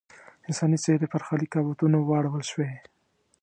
انساني څېرې پر خالي کالبوتونو واړول شوې.